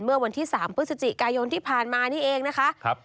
เมื่อวันที่๓พฤศจิกายนที่ผ่านมานี่เองนะคะ